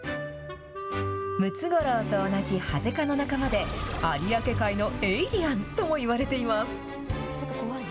ムツゴロウと同じハゼ科の仲間で、有明海のエイリアンともいわれています。